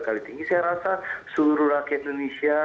kali tinggi saya rasa seluruh rakyat indonesia